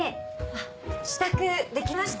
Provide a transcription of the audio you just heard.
支度できました？